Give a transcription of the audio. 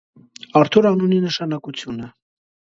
Արթուր անունի նշանակությունը։